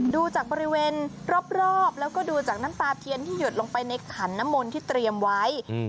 ดูจากบริเวณรอบรอบแล้วก็ดูจากน้ำตาเทียนที่หยดลงไปในขันน้ำมนที่เตรียมไว้อืม